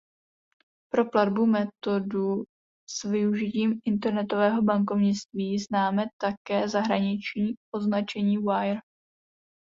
Pro platbu metodu s využitím internetového bankovnictví známe také zahraniční označení „wire“.